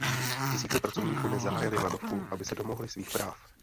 Tisíce pracovníků dnes zahájily hladovku, aby se domohly svých práv.